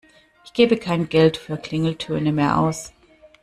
Ich gebe kein Geld für Klingeltöne mehr aus.